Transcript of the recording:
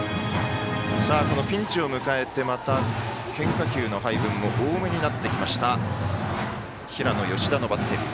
ピンチを迎えて、また変化球の配分も多めになってきました平野、吉田のバッテリー。